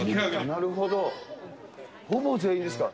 なるほど、ほぼ全員ですか。